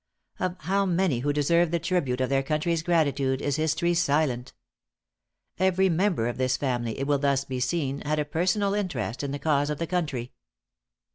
Of how many who deserve the tribute of their country's gratitude, is history silent! Every member of this family, it will thus be seen, had a personal interest in the cause of the country.